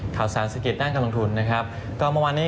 เราก็ยังคงทรงตัวอยู่ในระดับนี้